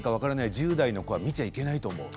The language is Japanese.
１０代の子は見ちゃいけないと思う。